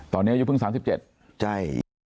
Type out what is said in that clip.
ตอนนี้อายุเพิ่ง๓๗ประการ